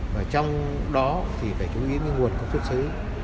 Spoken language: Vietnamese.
và trong đó thì phải chú ý nguồn có xuất xứ